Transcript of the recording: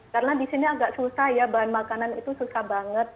karena di sini agak susah ya bahan makanan itu susah banget